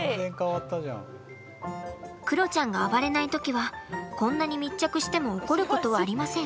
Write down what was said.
クロちゃんが暴れない時はこんなに密着しても怒ることはありません。